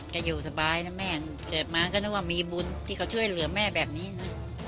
จะอยู่สบายนะแม่เกิดมาก็นึกว่ามีบุญที่เขาช่วยเหลือแม่แบบนี้นะ